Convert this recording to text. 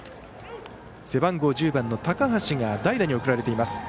背番号１０番の高橋が代打に送られています。